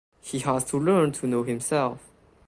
He has to learn to know himself.